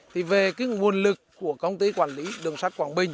thì về cái nguồn lực của công ty quản lý đường sắt quảng bình